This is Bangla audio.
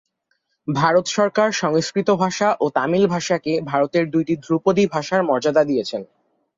ভারত সরকার সংস্কৃত ভাষা ও তামিল ভাষাকে ভারতের দুইটি ধ্রুপদী ভাষার মর্যাদা দিয়েছেন।